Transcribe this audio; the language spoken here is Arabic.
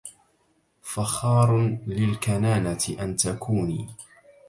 فخار للكنانة أن تكوني